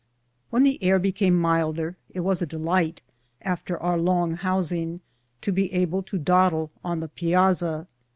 When the air became milder it was a delight, after ©iir long housing, to be able to dawdle on the piazza.